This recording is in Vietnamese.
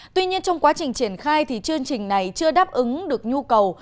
tuy nhiên trong quá trình triển khai thì chương trình này chưa đáp ứng được nhu cầu